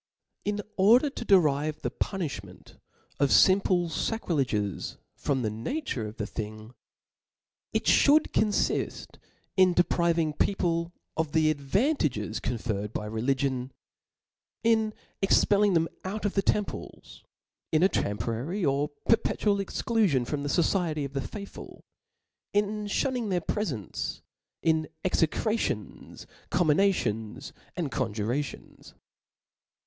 In order to derive the punifhment of fimple fa crileges from the nature of the thing *, it ihooki confift in depriving people of the advanuges con ferred by religion in expelling them out of the temples, in a temporary or perpetual exciufiott from the focicty of the faithfol, in ifaunning rfidr prefence, in execrations, comminations, arid coo Jurations.